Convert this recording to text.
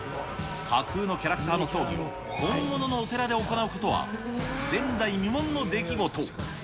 架空のキャラクターの葬儀を本物のお寺で行うことは、前代未聞の出来事。